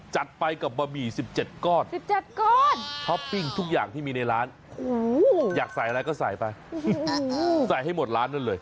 จัดไปกับบะหมี่๑๗ก้อน๑๗ก้อนท็อปปิ้งทุกอย่างที่มีในร้านอยากใส่อะไรก็ใส่ไปใส่ให้หมดร้านนั่นเลย